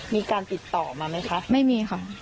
มีการติดต่อมาไหมคะไม่มีค่ะ